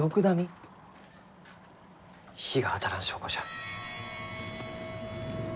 日が当たらん証拠じゃ。